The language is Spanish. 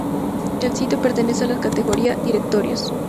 El sitio pertenece a la categoría "Directorios".